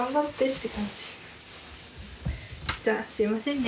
じゃすいませんね